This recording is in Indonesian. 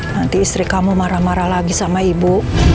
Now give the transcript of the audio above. nanti istri kamu marah marah lagi sama ibu